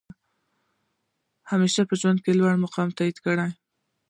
همېشه په ژوند کښي لوړ مقام وټاکئ!